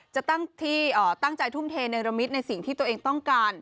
จะตั้งที่ตั้งใจทุ่มเทในระมิดในสิ่งที่ตัวเองต้องการ